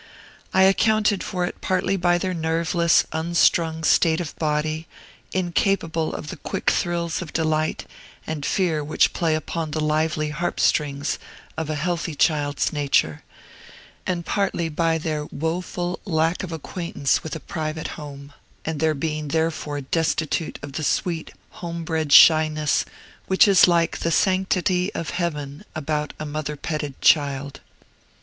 I accounted for it partly by their nerveless, unstrung state of body, incapable of the quick thrills of delight and fear which play upon the lively harp strings of a healthy child's nature, and partly by their woful lack of acquaintance with a private home, and their being therefore destitute of the sweet home bred shyness, which is like the sanctity of heaven about a mother petted child.